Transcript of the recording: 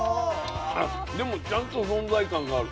でもちゃんと存在感がある。